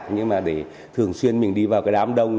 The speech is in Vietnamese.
nhưng mà để thường xuyên mình đi vào cái đám đông